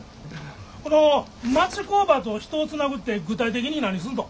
この「町工場と人を繋ぐ」って具体的に何すんの？